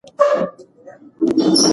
ځمکه لږه په قطبونو پلنه ده.